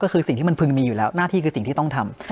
ก็คือสิ่งที่มันพึงมีอยู่แล้วหน้าที่คือสิ่งที่ต้องทำ